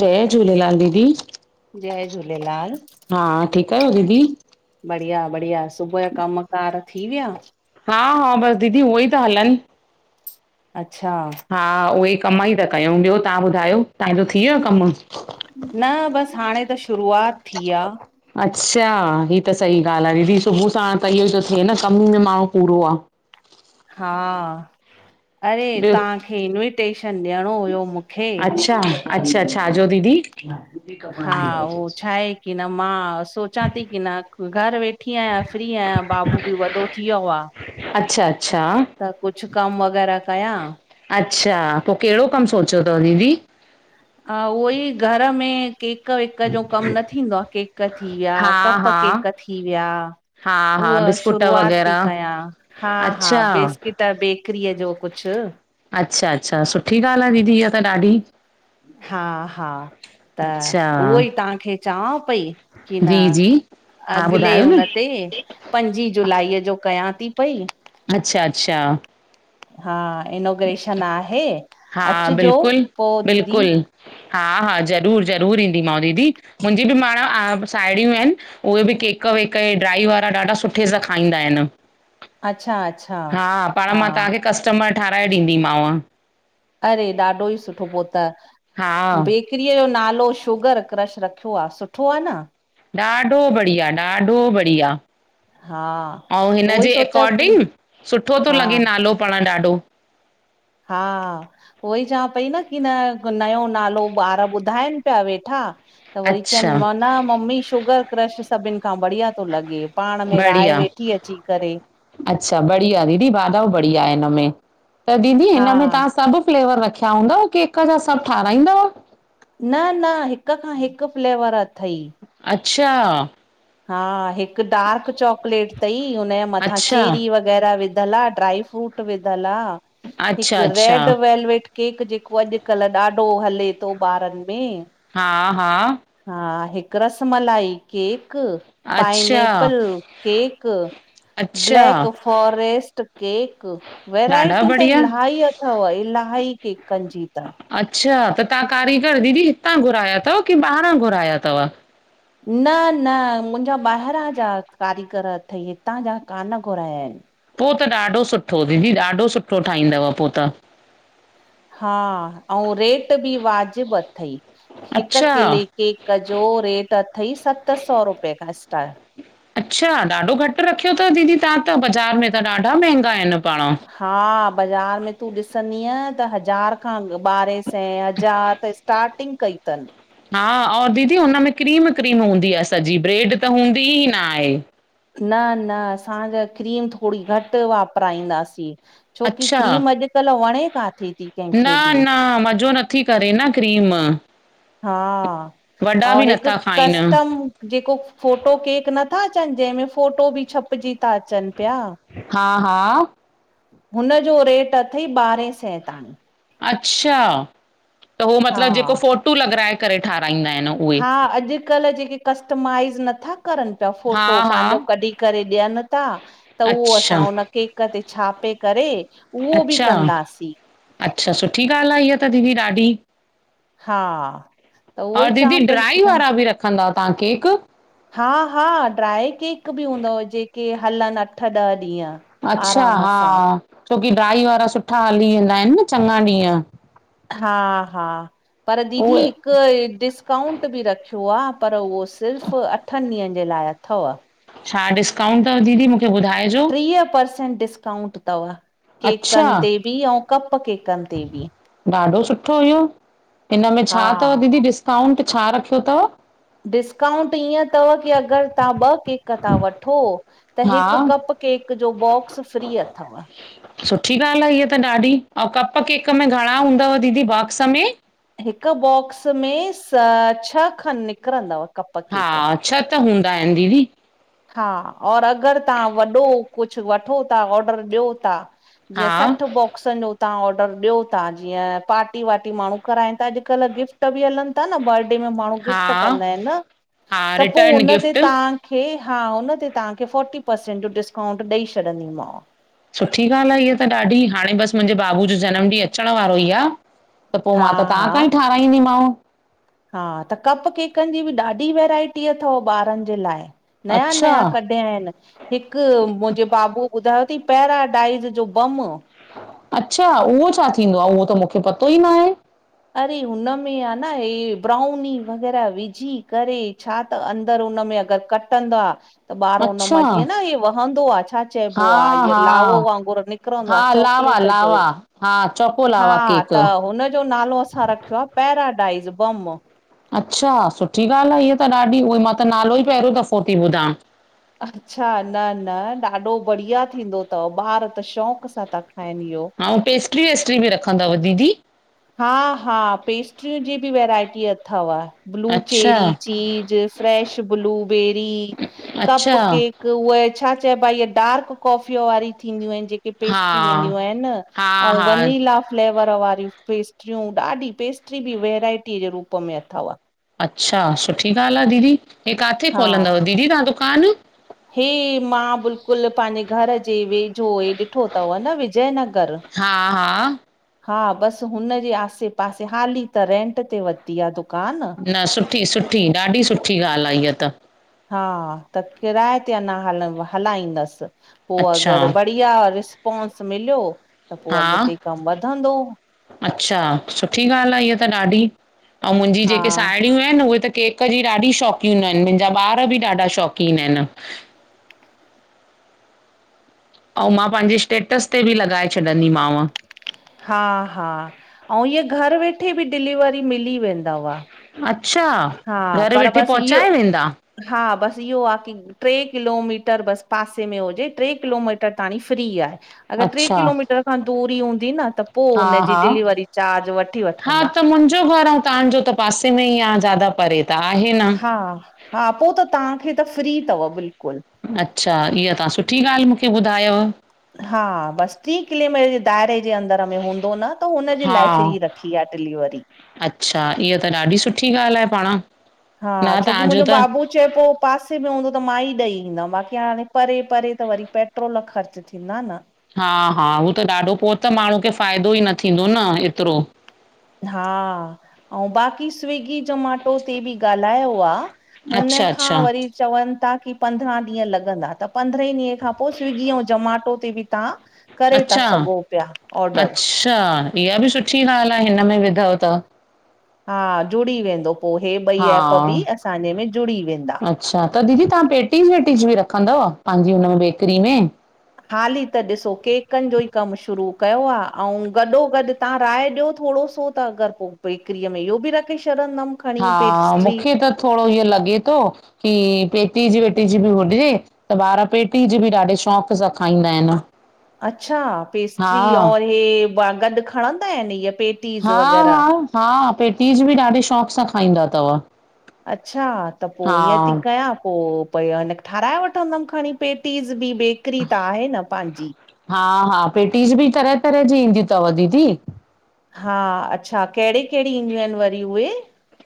जय झूलेलाल दीदी! जय झूलेलाल! हा, ठीक आयो दीदी? बढ़िया बढ़िया, सुबूह जा कमकार थी व्या? हा हा, बस दीदी उहोई ता हलन। अच्छा हा, उहेई कम्म ई ता कयूं, ॿयो तहां ॿुधायो तहां जो थी व्यो आ कम्म? न, बस हाणे त शुरूआत थी आ। अच्छा, हीअ त सही ॻाल्ह आ, दीदी सुभू साण त इयोई तो थे न, कम ई में माण्हूं पूरो आ। हा, अरे! ॿियो तहांखे इन्विटेशन ॾियणो हुयो मुखे। अच्छा अच्छा, छाजो दीदी? हा उहो छा आहे की न मां सोचां ती की न, घर वेठी आयां, फ्री आयां, बाबू बि वॾो थी वयो आ। अच्छा अच्छा त, कुछ कम वग़ैरा कयां। अच्छा, पोइ केड़ो कम सोचयो तव दीदी? अं, उहोई घर में केक् केक वेक जो कम न थींदो आ, केक थी व्, या हा कप हा केक थी व्या हा हा उहा बिस्कुट शुरूआत ती वग़ैरह कयां। हा हा, अच्छा बिस्किट बेकरीअ जो कुछ। अच्छा अच्छा, सुठी ॻाल्ह आ दीदी, इहा त ॾाढी। हा हा, त अच्छा उहोई तहांखे चवां पई कि न जी, जी, हा अॻले ॿुधायो न, उन ते पंजी जुलाईअ जो कयां ती पई अच्छा अच्छा हा, इनोग्रेशन आहे, हा अचजो बिल्कुलु, पो दीदी! बिल्कुलु, हा हा, ज़रूर ज़रूर ईंदीमांव दीदी, मुजी बि माण साहिड़यूं एन उहे बि केक वेक, ड्राई वारा ॾाढा सुठे सां खाईंदा एन। अच्छा अच्छा हा, पाण मां तहांखे कस्टमर ठाराए ॾींदीमांव। अरे! ॾाढो ई सुठो पो त हा, बेक् किरी जो नालो शुगर क्रश रखियो आहे सुठो आहे न? ॾाढो बढ़िया ॾाढो बढ़िया। हा ऐं त उहो ई हिनजे सोचां पई अकॉर्डिंग सुठो थो हा लॻे नालो पण ॾाढो हा उहोई चवां पई न की न नयो नालो ॿार ॿुधाइन पिया वेठा त वरी चयन अच्छा, व न मम्मी शुगर क्रश स सभिनि खां बढ़िया थो लॻे पाण में राय बढ़िया वेठी अची करे अच्छा बढ़िया दीदी बाधऊ बढ़िया आहे हिनमें त दीदी हा हिन में तव्हां सभु फ्लेवर रखिया हूंदव केक जा सॿ ठाराईंदव? न न हिक खां हिक फ्लेवर अथई अच्छा हा हिकु डार्क चॉकलेट तई हुनजे मथां अच्छा चेरी वग़ै वेरह विदल आ ड्राइ फ्रूट विदल आह अच्छा हिकु अच्छा रेड वेलवेट केक जेको अॼुकल्ह ॾाढो हले थो ॿारनि में हा हा हा हिकु रस मलाई केक अच्छा पाइनेपल केक अच्छा ब्लैक फॉारेस्ट केक ॾाढा वैरायटी त बढ़िया इलाही अथव इलाही केकनि जी त अच्छा त तव्हां कारीगर दीदी हितां घुराया थव की ॿाहिरां घुराया थव न न मुंहिंजा ॿाहिरां जा कारीगर अथई हितां जा कान घुराया आहिनि पोइ त ॾाढो सुठो दीदी ॾाढो सुठो ठाहींदव पोइ त हा ऐं रेट बि वाजिब अथई हिक अच्छा किले केक जो रेट अथई सत सौ रुपये खां स्टार्ट अच्छा ॾाढो घटि रखियो थव दीदी तव्हां त बाज़ारि में त ॾाढा महांगा आहिनि पाण हा बाज़ार में तूं ॾिसंदीअ त हज़ार खां ॿारहें सैं हज़ार त स्टारटिंग कईथनि हा और दीदी हुनमें क्रीम क्रीम हूंदी आहे सॼी ब्रेड त हूंदी ई न आहे न न असांजा क्रीम थोरी घटि वापराईंदासीं छोकी अच्छा क्रीम अॼुकल्ह वणे का थी कंहिंखे न बि न मज़ो नथी करे न क्रीम हा वॾा बि ऐं हिकु नथा खाइन। कस्टम जेको फोटो केक नथा अचनि जंहिंमे फोटो बि छपजी था अचनि पिया हा हा हुन जो रेट अथई ॿारहें सै ताईं अच्छा त उहो हा मतिलबु जेको फोटू लॻराए करे ठारााईंदा आहिनि हू हा अॼुकल्ह जेके कस्टमाइज़ नथा करनि पिया हा फोटो हा पंहिंजो कढी करे ॾियनि था त उहो अच्छा असां हुन केक ते छापे करे उहो बि अच्छा कंदासीं अच्छा सुठी ॻाल्हि आहे इहा त दीदी ॾाढी हा त उहो और ई दीदी चवां पई की ड्राई न वारा बि रखंदा तव्हां केक? हा हा ड्राए केक बि हूंदव जेके हलनि अठ ॾह ॾींहं अच्छा आराम हा सां छोकी ड्राई वारा सुठा हली वेंदा आहिनि न चङा ॾींहं हा हा पर दीदी उहे हिकु हिडिस अकाउंट बि रखियो आहे पर उहो सिर्फ़ु अठनि ॾींहंनि जे लाइ अथव छा डिस्काउंट अथव दीदी मूंखे ॿुधाइजो ट्रीह परर्सेंट डिस्काउंट अथव अच्छा केकनि ते बि ऐं कप केकनि ते बि हिनमें हा छा अथव दीदी डिस्काउंट छा रखियो अथव? डिस्काउंट इअं अथव की अगरि तव्हां ॿ केक था वठो त हा हिकु कप केक जो बॉक्स फ्री अथव सुठी ॻाल्हि आहे इह त ॾाढी अंऊँ कप केक में घणा हूंदव दीदी बॉक्स में? हिक बॉक्स में स छह खनि निकिरंदव कप हा केक। छह त हूंदा आहिन दीदी हा और अगरि तव्हां वॾो कुझु वठो था ऑडर ॾियो था जीअं हा सठ बो बोक्सनि जो तव्हा ऑडर ॾियो था जीअं पार्टी-वार्टी माण्हू कराइनि था अॼुकल्ह गिफ़्ट बि हलनि ता न बर्डे में माण्हू हा गिफ्ट कंदा आहिनि न हा त पो रिटर्न हुन ते गिफ्ट तव्हांखे हा हुन ते तव्हांखे फ़ोटी परर्सेंट जो डिस्काउंट ॾेई छॾंदीमांव सुठी ॻाल्हि आहे इह त ॾाढी हाणे बसि मुंहिंजे बाबू जो जनमु ॾींहुं अचण वारो ई आ त पो हा मां त तव्हां हा खां ई ठारााईंदीमांव हा त कप केकनि जी बि ॾाढी वैरायटी अथव ॿारनि जे लाइ नया अच्छा नया क पिया आहिन। हिक मुंहिंजे बाबू ॿुधायो थई पैराडाइज जो बम अच्छा उहो छा थींदो आ उहो त मूंखे पतो ई न आहे अरे हुनमें आहे न ही ब्राउनी वग़ैरह विझी करे छा त अंदरि हुन में अगरि कटंदा त ॿारु हुन अच्छा, मां जीअं न हे वहंदो आ छा चइबो आ हा इअ लावो हा वांगुरु नि निकरंदो आ हा लावा चॉकलेट जो, लावा हा चोको हा लावा केक त हुन जो नालो असां रखियो आ पैराडाइस बम अच्छा सुठी ॻाल्हि आहे इह त ॾाढी उहोई मां त नालो ई पहिरियों दफ़ो थी ॿुधां अच्छा न, न ॾाढो बढ़िया थींदो अथव ॿार त शौंक सां था खाइनि इहो अंऊँ पेस्ट्री-वेस्ट्री बि रखंदव दीदी हा, हा पेस्ट्रिय जी बि वैरायटी अथव अच्छा blueberry, cheese, fresh blueberry, cup अच्छा केक उहे छा चइबा इय डार्क कॉफीअ वारी थींदियूं आहिन जे क हा पेस्ट्रीूं वेंदियूं आहिनि हा अंऊँ हा वनिला फ्लेवर वारियूं पेस्ट्रियूं, ॾाढी पेस्ट्री बि वैराइटीअ जे रूप में अथव अच्छा सुठी ॻाल्हि आहे दीदी हे काथे हा खोलंदव दीदी तव्हां दुकान हे मां बिलकुल पंहिंजे घर जे वेझो हे ॾिठो अथव न विजय नगर हा हा हा बसि हुन जे आसे-पासे हाली त रेंट ते वरिती आहे दुकान न सुठी, सुठी ॾाढी सुठी ॻाल्हि आ हीअ त हा त किराए ते अञा हल हलाईंदसि पो अच्छा अगरि ब ढ़िया रिस्पोंस मिलयो त पो हा अॻिते कम वधंदो अच्छा सुठी ॻाल्हि आहे इहा त ॾाढी ऐं मुंहिंजी हा जेके साहेड़ियूं आहिनि उहे त केक जी ॾाढी शौक़ीन आहिन मुंहिंजा ॿार बि ॾाढा शौकीन आहिन अंऊ मां पंहिंजे स्टेटस ते बि लॻाए छॾींदीमांव हा, हा अंऊँ हीअ घरु वेठे बि डिलीवरी मिली वेंदव अच्छा, हा घरु पर वेठे बसि इहो पहुचाए वेंदा? हा बस इहो आहे की टे किलोमीटर बसि पासे में हुजे टे किलोमीटर ताणी फ्री आ। अगरि टे अच्छा किलोमीटर खां दूरी हूंदी न त पोइ हा हुननजी हा डिलीवरी चार्ज वठी हा वठंदा। त मुंहिंजो तव्हांजो त पासे में ई आहे ज्यादा परे त आहे न। हा हा पोइ त तव्हांखे त फ्री अथव बिलकुल। अच्छा इहा तव्हां सुठी ॻाल्हि मूंखे ॿुधायव। हा बसि टी किले में दाइरे जे अंदर में हूंदो न त हुनजी हा लाइफ ई रखी आ। डिलीवरी अच्छा इहा त ॾाढी सुठी ॻाल्हि आहे पाण। हा न छोकी तव्हांजो मुंहिंजो त बाबू चए पोइ पासे में हूंदो त मां ई ॾेई ईंदमि बाक़ी हाणे परे परे त वरी पेट्रोल ख़र्च थींदा न। हा हा हूह त ॾाढो पोइ त माण्हू खे फ़ाइदो ई न थींदो न एतिरो। हा ऐं बाक़ी स्विगी जमाटो ते बि ॻाल्हायो आ। हुन अच्छा खां अच्छा वरी चवनि था की पंद्रहं ॾींहं लॻंदा त पंद्रहें ॾींहं खां पोइ स्विगी ऐं जमाटो ते बि तव्हां करे था अच्छा सघो पिया ऑडर। अच्छा इहा बि सुठी ॻाल्हि आहे हिन में विधव त। हा जुड़ी वेंदो पोइ इहे ॿई हा ऐएप बि असांजे में जुड़ी वेंदा। अच्छा त दीदी तव्हां पेटी वेटी बि रखंदव पंहिंजी हुन में बेकरी में? हाली त ॾिसो केकनि जो ई कमु शुरू कयो आहे ऐं गॾो गॾु तव्हां राय ॾियो थोॾो सो। त अगरि पोइ बेकरी में इहो बि रखखे छॾंदमि। खणी हा पेस्ट्री मूंखे त थोरो इहो लॻे थो की पेटी जी वेटी जी बि हुॾजे। त ॿार पेटी जी बि ॾाढे शौक़ु सां खाईंदा आहिन। अच्छा पेस्ट्री और इ गॾु खणंदा आहिन इहा पेटीज? हा हा हा पेटीज बि ॾाढे शौक़ु सां खाईंदा अथव। अच्छा त पोइ ईअं थी हा कयां पोइ पोइ हिन ठाराए वठंदमि खणी पेटीज़ बि बेकरी त आहे न पंहिंजी। हा हा पेटीज बि तरह तरह जी ईंदीूं अथव दीदी। हा अच्छा कहिड़ी- कहिड़ी ईंदियूं आहिन वरी उहे?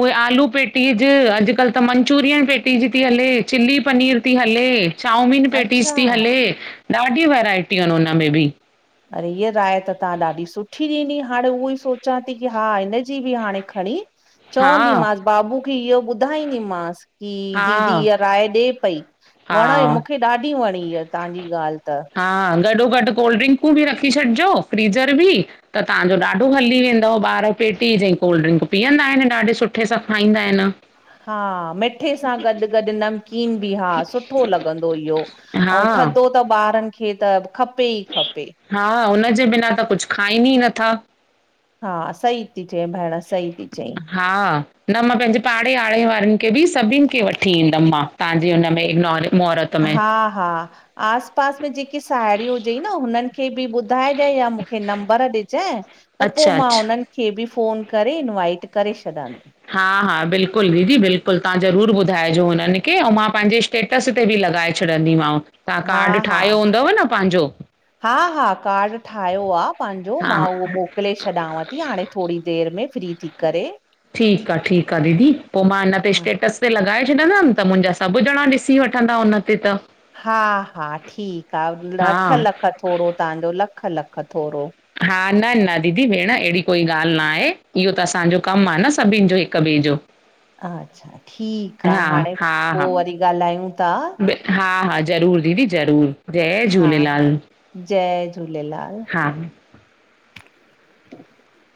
उहे आलू पेटीअ ज अॼुकल्ह त मंचुरियन पेटी जी थी हले चिली पनीर थी हले। चामीन पेटीज़ थी अच्छा हले ॾाढीूं वैराइटियूं आहिनि हुनमें बि अड़े हीअ राय त तव्हां ॾाढी सुठी ॾिनी। हाणे उहो ई सोचां थी की हा हिनजी बि हाणे खणी हा चवंदी मांस। बाबू खे इहो ॿुधाईंदीमस की हा दीदी इहा राय ॾे पई वणे हा मूंखे ॾाढी वणी आहे तव्हांजी ॻाल्हि त। हा गॾो गॾु कोल्ड ड्रिंकूं बि रखी छॾिजो फ्रीज़र बि त तव्हांजो ॾाढो हली वेंदव ॿार पेटी ज कोल्ड ड्रिंक पीअंदा आहिन ॾाढे सुठे सां खाईंदा आहिन। हा मिठे सां गॾु गॾु नमकीन बि हा सुठो लॻंदो इहो। हा ऐं थधो त ॿारनि खे त खपे ई खपे ई। हा हुनजे बिना त कुझु खाइनि ई नथा। हा सही थी चए भेण सही थी चई। हा न मां पंहिंजे पाड़े आड़े वारनि खे बि सभिननि खे वठी ईंदमि मां। तव्हांजी हुनम मोहरत हा हा। आस पास में जेकी साहेड़िय हुज न हुननि खे बि ॿुधाइजे या मूंखे नंबर ॾिजइ। त पोइ अच्छा मां अच्छा उन्हनि खे बि फ़ोन करे इनवाइट करे छॾंदमि। हा हा बिल्कुलु दीदी बिल्कुलु तहां ज़रूर ॿुधाइजो हुननि खे ऐं मां पंहिंजे स्टेटस ते बि लॻाए छॾींदीमांव तहां हा काड हा ठाहियो हूंदव न पांजो। हा हा कार्ड ठाहियो आ पांजो हा मां उहो मोकिले छॾियांव थी हाणे थोरी देर में फ्री थी करे। ठीकु आ ठीकु आ दीदी, पो मां हिन ते हा स्टेटस ते लॻाए छॾंदमि त मुंजा सभु ॼणा ॾिसी वठंदा हुन ते त। हा हा ठीक आहे हा लख लख थोरो तहांजो, लख लख थोरो। हा न न दीदी भेण अहिड़ी कोई ॻाल्हि न आहे इहो त असांजो कमु आहे न सभिन जो हिक ॿे जो। अच्छा ठीकु आ, हा हाणे हा पो हा वरी ॻाल्हायूं था। बि- हा हा, जरूर दीदी जरूरु जय हा झूलेलाल। जय झूलेलाल। हा, [inaudible]